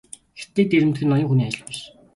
Хятадыг дээрэмдэх нь ноён хүний ажил биш.